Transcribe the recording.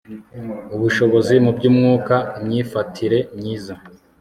ubushobozi muby umwuka imyifatire myiza